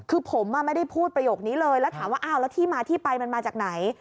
คือผมไม่ได้พูดประโยคนี้เลยแล้วถามว่าอ้าวแล้วที่มาที่ไปมันมาจากไหน